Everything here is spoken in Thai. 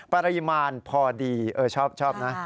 ปริมาณพอดีชอบนะ